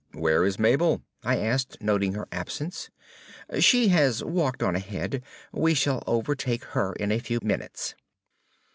"Where is Mabel?" I asked, noting her absence. "She has walked on ahead. We shall overtake her in a few minutes."